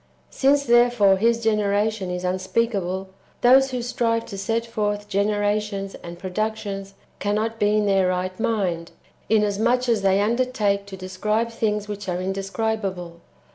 Since therefore His generation is unspeakable, those who strive to set forth generations and productions cannot be in their right mind, inasmuch as they undertake to describe things which are indescribable.